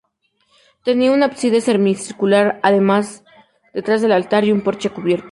Tenía un ábside semicircular detrás del altar, y un porche cubierto.